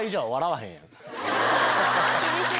厳しい！